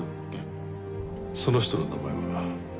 その人の名前は？